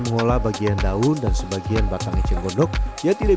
dengan harga jual sekitar tiga ratus rupiah